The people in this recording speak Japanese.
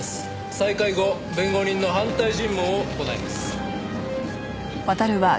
再開後弁護人の反対尋問を行います。